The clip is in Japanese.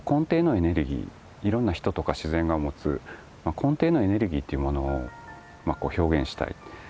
いろんな人とか自然が持つ根底のエネルギーというものを表現したい。